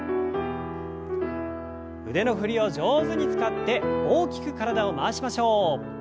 腕の振りを上手に使って大きく体を回しましょう。